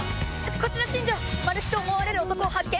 こちら新條マル被と思われる男を発見！